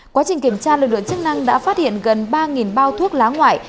quá trình kiểm tra lực lượng chức năng đã phát hiện gần ba bao thuốc lá ngoại